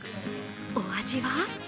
お味は？